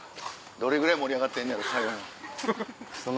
どれぐらい盛り上がってんのやろ最後の。